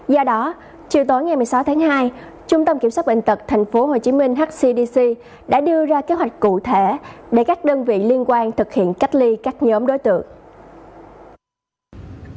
do đó chiều tối ngày một mươi sáu tháng hai trung tâm kiểm soát bệnh tật tp hcm hcdc đã đưa ra kế hoạch cụ thể để các đơn vị liên quan thực hiện cách ly các nhóm đối tượng